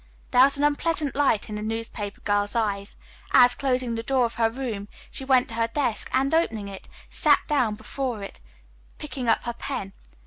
There was an unpleasant light in the newspaper girl's eyes, as, closing the door of her room, she went to her desk and opening it, sat down before it, picking up her pen.